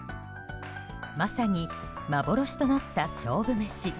まさに、幻となった勝負メシ。